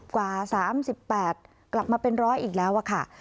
กว่า๓๘กลับมาเป็นร้อยอีกแล้วค่ะ